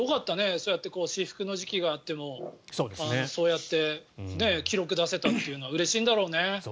そういう時期があってもそうやって記録が出せたというのはうれしいんだろうね。